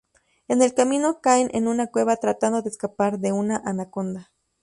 En el camino caen en una cueva tratando de escapar de una anaconda.